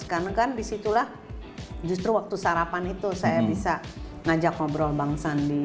karena disitulah justru waktu sarapan itu saya bisa ngajak ngobrol bang sandi